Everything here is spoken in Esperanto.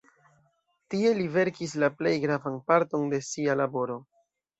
Tie li verkis la plej gravan parton de sia laboro.